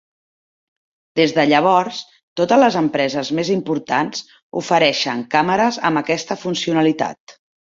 Des de llavors, totes les empreses més importants ofereixen càmeres amb aquesta funcionalitat.